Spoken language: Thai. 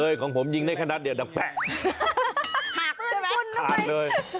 เด็กของผมยิงได้ขนาดเดียวแล้วแป๊ะหักใช่ไหมขาดเลย